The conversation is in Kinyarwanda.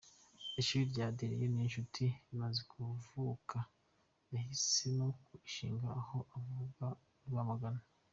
Ishuri rya Adrien Niyonshuti rimaze kuvuka yahisemo kurishinga aho avuka i Rwamagana.